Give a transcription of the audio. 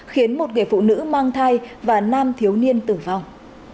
khiến một người phụ nữ mang thai và nam thiếu niên tử vong